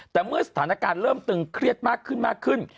แต่เมื่อสถานการณ์เริ่มตึงเครียดมากขึ้นมากขึ้น